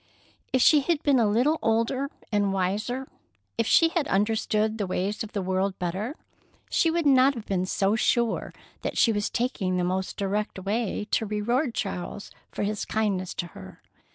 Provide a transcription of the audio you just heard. If she had been a little older and wiser, if she had understood the ways of the world better, she would not have been so sure that she was taking the most direct way to reward Charles for his kindness to her.